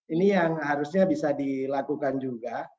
ini yang harusnya bisa dilakukan juga